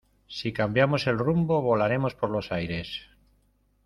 si cambiamos el rumbo, volaremos por los aires.